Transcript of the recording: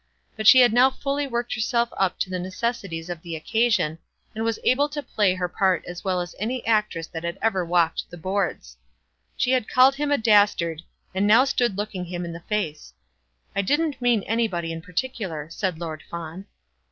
But she had now fully worked herself up to the necessities of the occasion, and was as able to play her part as well as any actress that ever walked the boards. She had called him a dastard, and now stood looking him in the face. "I didn't mean anybody in particular," said Lord Fawn.